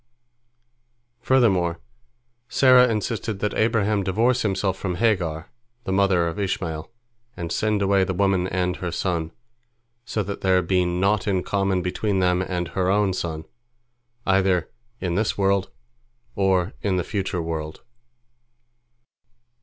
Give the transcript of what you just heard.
" Furthermore, Sarah insisted that Abraham divorce himself from Hagar, the mother of Ishmael, and send away the woman and her son, so that there be naught in common between them and her own son, either in this world or in the future world.